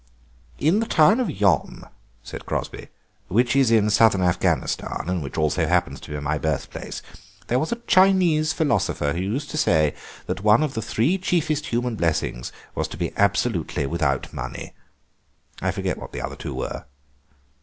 "In the town of Yom," said Crosby, "which is in Southern Afghanistan, and which also happens to be my birthplace, there was a Chinese philosopher who used to say that one of the three chiefest human blessings was to be absolutely without money. I forget what the other two were."